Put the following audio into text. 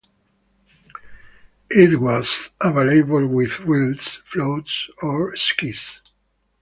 It was available with wheels, floats or skis.